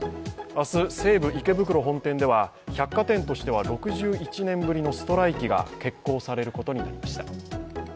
明日、西武池袋本店では百貨店としては６１年ぶりのストライキが決行されることになりました。